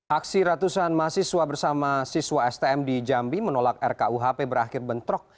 aksi ratusan mahasiswa bersama siswa stm di jambi menolak rkuhp berakhir bentrok